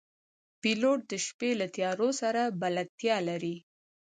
پیلوټ د شپې له تیارو سره بلدتیا لري.